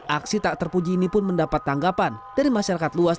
aksi tak terpuji ini pun mendapat tanggapan dari masyarakat luas